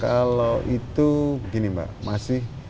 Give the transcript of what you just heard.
kalau itu begini mbak masih bisa diapirin